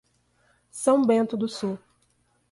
São Bento do Sul